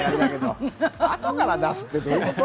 後から出すって、どういうこと？